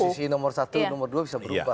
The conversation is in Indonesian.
posisi nomor satu nomor dua bisa berubah ya